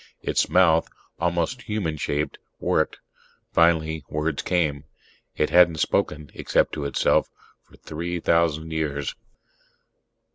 Its mouth, almost human shaped, worked; finally words came. It hadn't spoken, except to itself, for three thousand years.